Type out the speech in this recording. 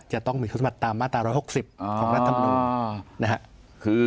จะต้องมีคุณสมบัติตามมาตรา๑๖๐ของรัฐมนุนนะครับ